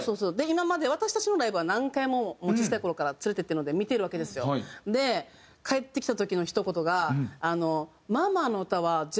今まで私たちのライブは何回も小さい頃から連れていってるので見てるわけですよ。で帰ってきた時のひと言が。